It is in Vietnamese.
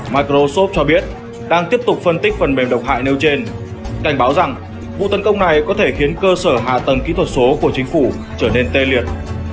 microsoft cho biết đang tiếp tục phân tích phần mềm độc hại nêu trên cảnh báo rằng vụ tấn công này có thể khiến cơ sở hạ tầng kỹ thuật số của chính phủ trở nên tê liệt